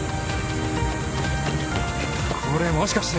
これもしかして。